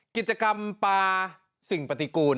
กิจกรรมปลาสิ่งปฏิกูล